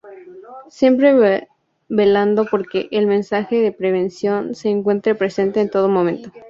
Siempre velando porque el mensaje de prevención se encuentre presente en todo momento.